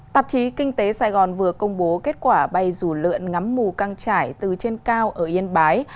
tạp chí kinh tế sài gòn vừa công bố kết quả bay dù lượn ngắm mù căng trải từ trên cao ở yên bái